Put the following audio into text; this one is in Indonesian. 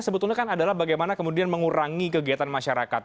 sebetulnya kan adalah bagaimana kemudian mengurangi kegiatan masyarakat